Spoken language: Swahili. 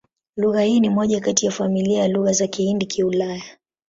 Lugha hii ni moja kati ya familia ya Lugha za Kihindi-Kiulaya.